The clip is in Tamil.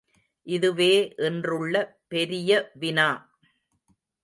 இதுவே இன்றுள்ள பெரிய வினா?